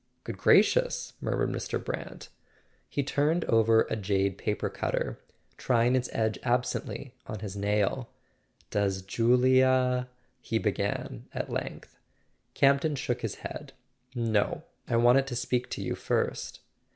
Good gracious," murmured Mr. Brant. He turned over a jade paper cutter, trying its edge absently on his nail. "Does Julia ?" he began at length. Campton shook his head. "No; I wanted to speak to you first."